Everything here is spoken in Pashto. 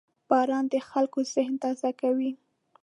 • باران د خلکو ذهن تازه کوي.